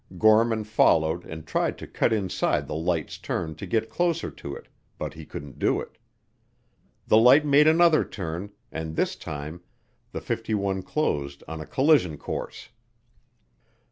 Gorman followed and tried to cut inside the light's turn to get closer to it but he couldn't do it. The light made another turn, and this time the '51 closed on a collision course.